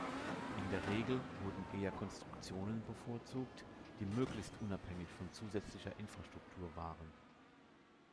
In der Regel wurden eher Konstruktionen bevorzugt, die möglichst unabhängig von zusätzlicher Infrastruktur waren.